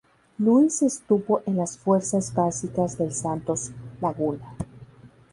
Luis estuvo en las fuerzas básicas del Santos Laguna.